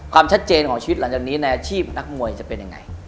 ความชัดเจนของชีวิตหลังจากนี้ในอาชีพนักมวยจะเป็นยังไง